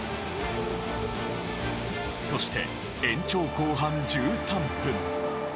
そして延長後半１３分。